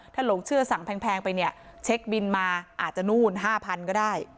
ถ้าหลงเชื่อสั่งแพงไปเนี่ยเช็คบินมาอาจจะนู่น๕๐๐๐ก็ได้